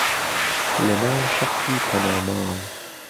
لەناو شەخسی پەنا ماڵ